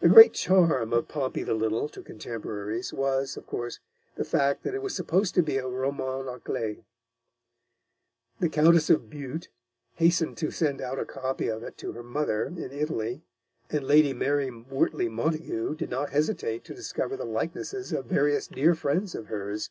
The great charm of Pompey the Little to contemporaries was, of course, the fact that it was supposed to be a roman à clef. The Countess of Bute hastened to send out a copy of it to her mother in Italy, and Lady Mary Wortley Montagu did not hesitate to discover the likenesses of various dear friends of hers.